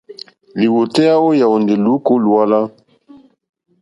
Lìwòtéyá ó yàwùndè lùúkà ó dùálá.